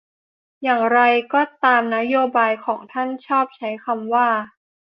อย่างไรก็ตามนโยบายของท่านชอบใช้คำว่า